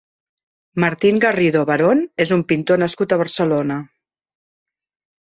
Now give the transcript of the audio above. Martín Garrido Barón és un pintor nascut a Barcelona.